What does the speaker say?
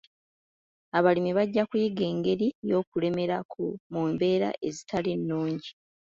Abalimi bajja kuyiga engeri y'okulemerako mu mbeera ezitali nnungi.